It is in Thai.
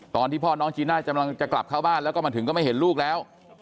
ตอนที่พ่อน้องจีน่ากำลังจะกลับเข้าบ้านแล้วก็มาถึงก็ไม่เห็นลูกแล้ว